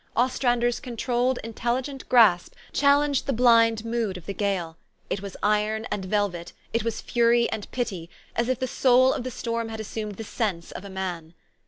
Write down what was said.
Ostrander 's controlled, intelli gent grasp challenged the blind mood of the gale : it was iron and velvet, it was fury and pity ; as if the soul of the storm had assumed the sense of a man.